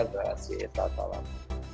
terima kasih salam salam